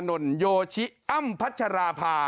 ก็ไม่รู้ว่าจะหามาได้จะบวชก่อนเบียดหรือเปล่า